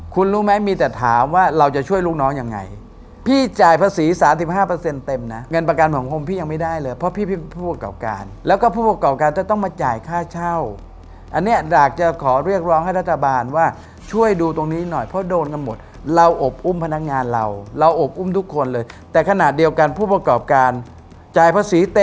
คุณรู้ไหมมีแต่ถามว่าเราจะช่วยลูกน้องยังไงพี่จ่ายภาษี๓๕เต็มนะเงินประกันสังคมพี่ยังไม่ได้เลยเพราะพี่เป็นผู้ประกอบการแล้วก็ผู้ประกอบการจะต้องมาจ่ายค่าเช่าอันนี้อยากจะขอเรียกร้องให้รัฐบาลว่าช่วยดูตรงนี้หน่อยเพราะโดนกันหมดเราอบอุ้มพนักงานเราเราอบอุ้มทุกคนเลยแต่ขณะเดียวกันผู้ประกอบการจ่ายภาษีเต